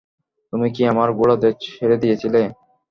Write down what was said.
তুমিই কি আমার ঘোড়াদের ছেড়ে দিয়েছিলে?